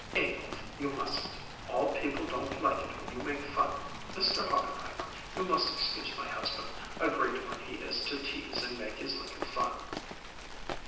"Adolph, you mustn't! All people don't like it when you make fun. Mr. Hochenheimer, you must excuse my husband; a great one he is to tease and make his little fun."